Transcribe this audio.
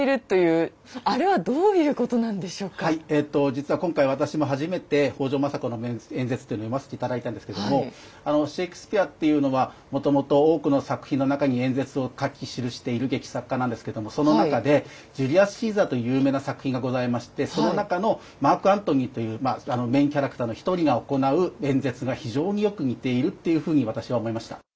実は今回私も初めて北条政子の演説というのを読ませて頂いたんですけどもシェークスピアっていうのはもともと多くの作品の中に演説を書き記している劇作家なんですけどもその中で「ジュリアス・シーザー」という有名な作品がございましてその中のマーク・アントニーというまあメインキャラクターの一人が行う演説が非常によく似てるっていうふうに私は思いました。